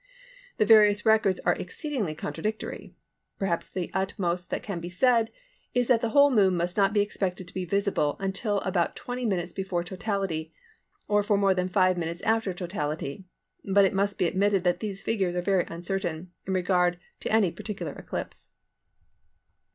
The various records are exceedingly contradictory: perhaps the utmost that can be said is that the whole Moon must not be expected to be visible till about 20 minutes before totality, or for more than 5 minutes after totality—but it must be admitted that these figures are very uncertain in regard to any particular eclipse.